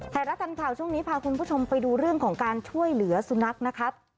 รัฐทันข่าวช่วงนี้พาคุณผู้ชมไปดูเรื่องของการช่วยเหลือสุนัขนะครับ